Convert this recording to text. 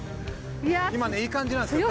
今ねいい感じなんす